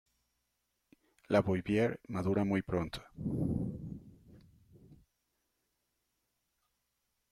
La bouvier madura muy pronto.